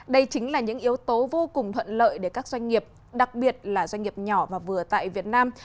đây chính là những yếu tố vô cùng thuận lợi để các doanh nghiệp đặc biệt là doanh nghiệp nhỏ và vừa tại việt nam